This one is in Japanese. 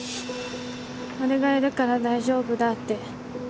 「俺がいるから大丈夫だ」って。